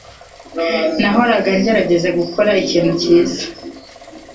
Nahoraga ngerageza gukora ikintu cyiza